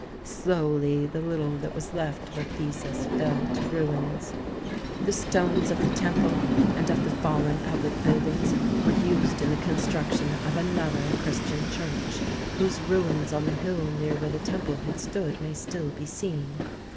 Slowly the little that was left of Ephesus fell to ruins. The stones of the temple and of the 122 THE SEVEN WONDERS fallen public buildings were used in the construc tion of another Christian church, whose ruins on the hill near where the temple had stood may still be seen.